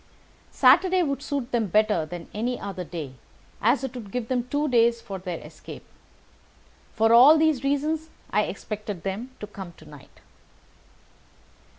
Saturday would suit them better than any other day, as it would give them two days for their escape. For all these reasons I expected them to come to night."